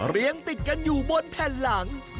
เลี้ยงติดกันอยู่บนแผ่นหลัง